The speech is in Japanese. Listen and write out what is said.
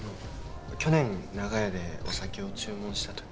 去年長屋でお酒を注文した時。